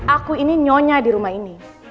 aku ini nyonya di rumah ini